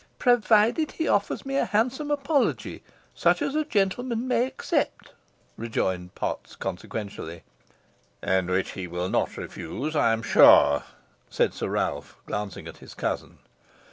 "Provided he offers me a handsome apology such as a gentleman may accept," rejoined Potts, consequentially. "And which he will not refuse, I am sure," said Sir Ralph, glancing at his cousin.